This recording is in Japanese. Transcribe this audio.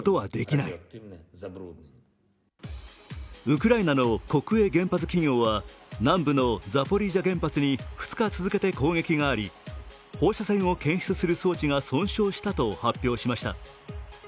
ウクライナの国営原発企業は南部のザポリージャ原発に２日続けて攻撃があり、放射線を検出する装置が損傷したと発表しました。